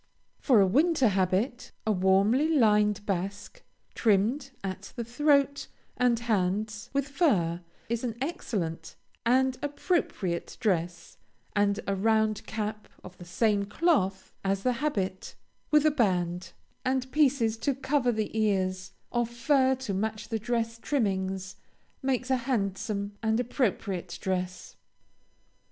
For a winter habit, a warmly lined basque, trimmed at the throat and hands with fur, is an elegant and appropriate dress, and a round cap of the same cloth as the habit, with a band, and pieces to cover the ears, of fur to match the dress trimmings, makes a handsome and appropriate dress.